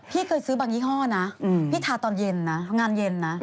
เคยซื้อบางยี่ห้อนะพี่ทาตอนเย็นนะงานเย็นนะ